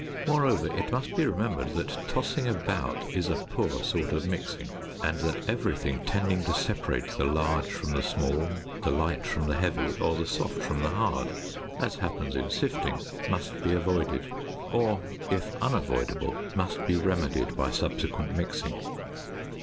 Moreover, it must be remembered that tossing about is a poor sort of mixing, and that everything tending to separate the large from the small, the light from the heavy, or the soft from the hard (as happens in sifting), must be avoided, or, if unavoidable, must be remedied by subsequent mixing.